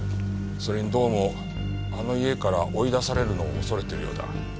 それにどうもあの家から追い出されるのを恐れているようだ。